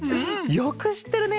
よくしってるね。